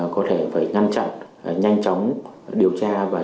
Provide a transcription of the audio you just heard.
có thể phải ngăn chặn nhanh chóng điều tra và xử lý